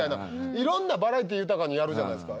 いろんなバラエティー豊かにやるじゃないですか。